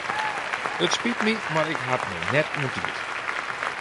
It spyt my mar ik ha it no net oan tiid.